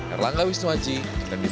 erlangga wisnuaci kandisar